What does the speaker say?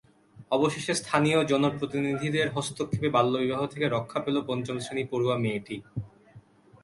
অবশেষে স্থানীয় জনপ্রতিনিধিদের হস্তক্ষেপে বাল্যবিবাহ থেকে রক্ষা পেল পঞ্চম শ্রেণী পড়ুয়া মেয়েটি।